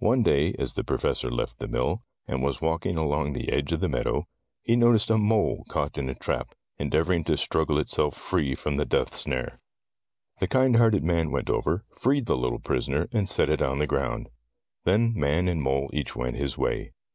One day, as the Professor left the mill, and was walking along the edge of the meadow, he noticed a mole caught in a trap, endeavoring to struggle itself free from the death snare. 1 6 Tales of Modern Germany The kind hearted man went over, freed the little prisoner, and set it on the ground. Then man and mole each went his way.